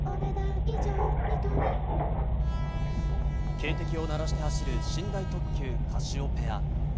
警笛を鳴らして走る寝台特急カシオペア。